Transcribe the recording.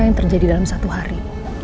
yang terjadi dalam satu hari